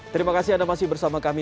terima kasih anda masih bersama kami